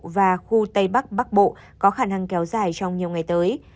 và khu tây bắc bắc bộ có khả năng kéo dài trong nhiều ngày tới